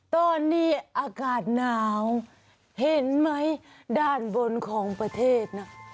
ตอนนี้อากาศหนาวเห็นไหมด้านบนของประเทศนะ